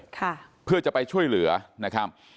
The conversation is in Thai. ค่ะเพื่อจะไปช่วยเหลือนะครับ